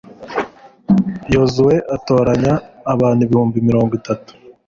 yozuwe atoranya abantu ibihumbi mirongo itatu